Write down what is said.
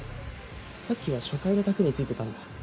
さっきは初回の卓に付いてたんだ。